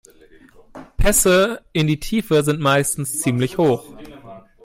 Pässe in die Tiefe sind meistens ziemlich hoch.